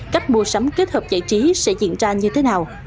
cách mua sắm kết hợp giải trí sẽ diễn ra như thế nào